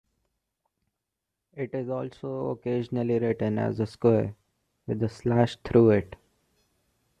It is also occasionally written as a square with a slash through it.